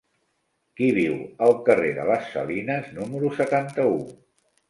Qui viu al carrer de les Salines número setanta-u?